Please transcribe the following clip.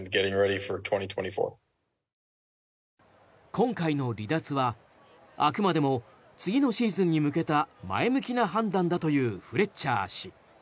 今回の離脱は、あくまでも次のシーズンに向けた前向きな判断だというフレッチャー氏。